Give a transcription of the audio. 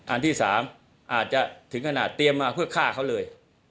อันที่๓อาจจะถึงขนาดเตรียมมาเพื่อฆ่าเขาเลย